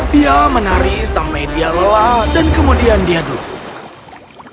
dia menari sampai dia lelah dan kemudian dia duduk